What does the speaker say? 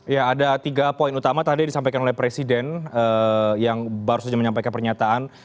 ya ada tiga poin utama tadi disampaikan oleh presiden yang baru saja menyampaikan pernyataan